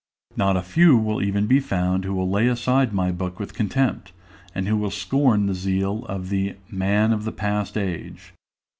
Not a few will even be found who will lay aside my book with contempt, and who will scorn the zeal of the "man of the past age."